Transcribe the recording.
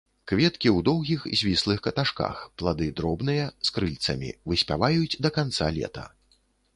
Кветкі ў доўгіх, звіслых каташках, плады дробныя, з крыльцамі, выспяваюць да канца лета.